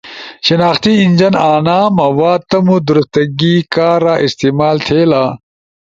شناختی انجن انا مواد تمو درستگی کارا استعمال تھئیلا۔